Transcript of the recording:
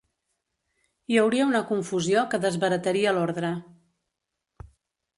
Hi hauria una confusió que desbarataria l'ordre